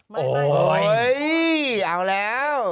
ไม่โอ้โห้ยยยยเอาแล้ว